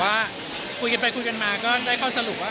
แต่ผมไม่ได้คิดเรื่องการไปปรึกษาคุณหมอ